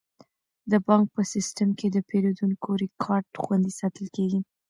د بانک په سیستم کې د پیرودونکو ریکارډ خوندي ساتل کیږي.